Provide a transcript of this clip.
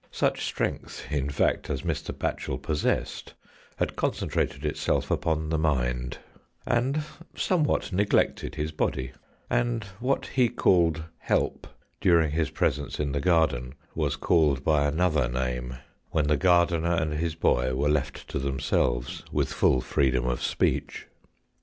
Such strength, in fact, as Mr. Batchel possessed had concentrated itself upon the mind, and somewhat neglected his body, and what he called help, during his presence in the garden, was called by another name when the gardener and his boy were left to themselves, with full freedom of speech.